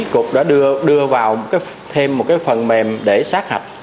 cục đã đưa vào thêm một cái phần mềm để xác hạch